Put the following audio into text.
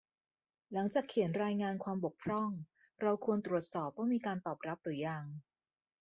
หลังจากเขียนรายงานความบกพร่อง เราควรตรวจสอบว่ามีการตอบรับหรือยัง